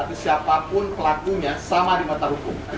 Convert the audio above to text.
atau siapapun pelakunya sama di mata hukum